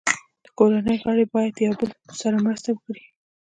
د کورنۍ غړي باید یو بل سره مرسته وکړي.